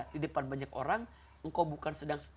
di depan banyak orang engkau bukan sedang